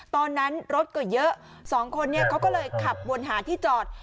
ตอนนั้นรถก็เยอะสองคนเนี่ยเขาก็เลยขับวนหาที่จอด